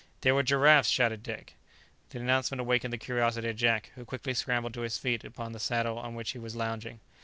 "They were giraffes!" shouted Dick. The announcement awakened the curiosity of Jack, who quickly scrambled to his feet upon the saddle on which he was lounging.